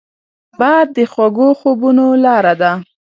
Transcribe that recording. باد د خوږو خوبونو لاره ده